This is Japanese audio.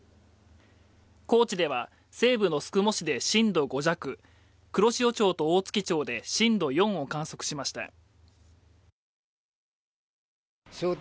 高知では西部の宿毛市で震度５弱黒潮町と大月町で震度４を観測しました。